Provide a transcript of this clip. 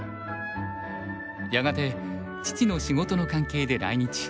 やがて父の仕事の関係で来日。